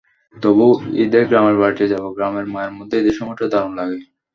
তবুও, ঈদে গ্রামের বাড়ি যাব, গ্রামের মায়ার মধ্যে ঈদের সময়টা দারুণ লাগে।